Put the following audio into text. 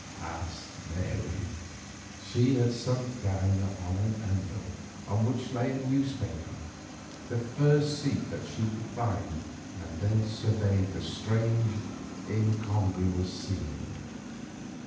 asked Mary. She had sunk down upon an anvil, on which lay a newspaper, the first seat that she could find, and thence surveyed the strange, incongruous scene.